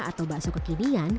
atau bakso kekinian